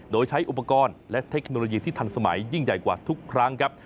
โดยใช้อุปกรณ์และเทคโนโลยีที่ทันสมัยยิ่งใหญ่กว่าทุกครั้งครับ